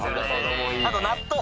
あと納豆！